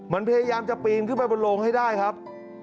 มันพยายามจะปีนขึ้นไปบนโลงให้ได้ครับ